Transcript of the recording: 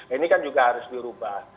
ini kan juga harus dirubah